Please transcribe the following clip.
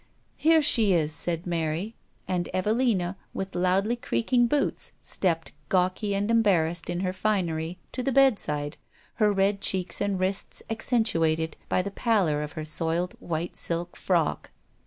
"Here she is," said Mary; and Evelina, with loudly creaking boots, stepped, gawky and embarrassed in her finery, to the bed side, her red cheeks and wrists accentuated by the pallor of her soiled white silk frock.